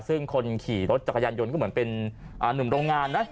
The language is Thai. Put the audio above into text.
ซึ่งคนขี่รถจักรยานยนต์ก็เหมือนเป็นนุ่มโรงงานนะ